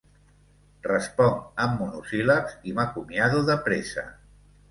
Responc amb monosíl·labs i m'acomiado de pressa.